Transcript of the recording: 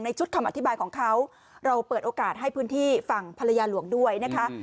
ชุดคำอธิบายของเขาเราเปิดโอกาสให้พื้นที่ฝั่งภรรยาหลวงด้วยนะคะ